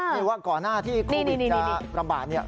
ที่ว่าก่อนหน้าที่โควิดจะระบาด